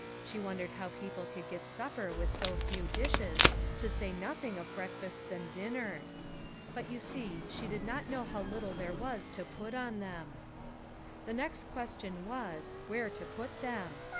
She wondered how people could get supper with so few dishes, to say noth ing of breakfasts and dinner. But you see she did not know how little there was to put on them. The next question was, Where to put them